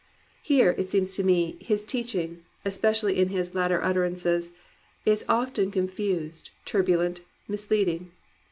Here, it seems to me, his teaching, especially in its latter utterances, is often confused, turbulent, misleading.